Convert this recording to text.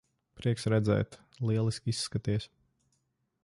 Prieks redzēt. Lieliski izskaties.